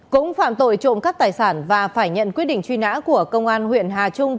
cũng phạm tội trộm cắt tài sản và phải nhận quyết định truy nã của công an huyện hà trung